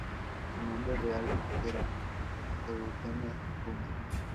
Su nombre real era Eugene Hume.